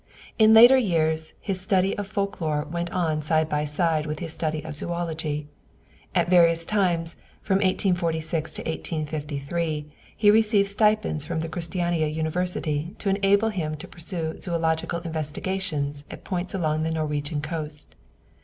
In later years his study of folk lore went on side by side with his study of zoölogy. At various times, from 1846 to 1853, he received stipends from the Christiania University to enable him to pursue zoölogical investigations at points along the Norwegian coast.